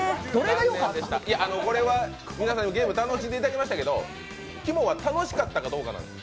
これは皆さんゲームやっていただけましたけどきもは楽しかったかどうかなんです。